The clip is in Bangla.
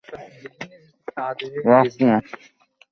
তাই এমন একটি চরিত্রে কাজ করা তাঁর জন্য কিছুটা কঠিনই ছিল বটে।